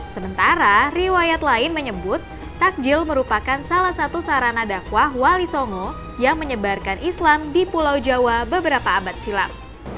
sementara riwayat lain menyebut takjil merupakan salah satu sarana dakwah wali songo yang menyebarkan islam di pulau jawa beberapa abad silam